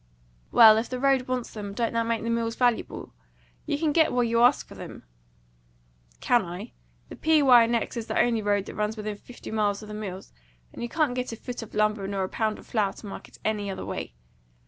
"Well, if the road wants them, don't that make the mills valuable? You can get what you ask for them!" "Can I? The P. Y. & X. is the only road that runs within fifty miles of the mills, and you can't get a foot of lumber nor a pound of flour to market any other way.